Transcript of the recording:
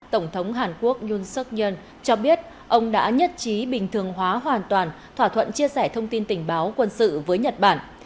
tổng thống hàn quốc yun seok yoon cho biết ông đã nhất trí bình thường hóa hoàn toàn thỏa thuận chia sẻ thông tin tình báo quân sự với nhật bản